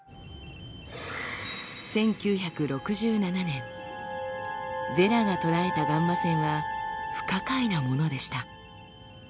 １９６７年ヴェラが捉えたガンマ線は不可解なものでした。